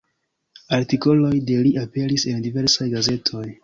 Artikoloj de li aperis en diversaj gazetoj.